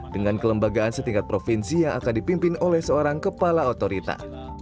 dengan kelembagaan setingkat provinsi yang akan dipimpin oleh seorang kepala otorita